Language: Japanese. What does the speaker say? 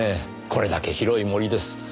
これだけ広い森です。